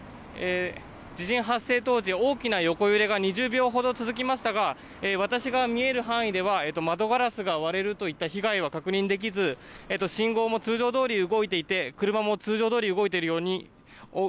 地震発生当時、大きな横揺れが２０秒ほど続きましたが私が見える範囲では窓ガラスが割れるといった被害は確認できず信号も通常どおり動いていて車も通常どおり動いています。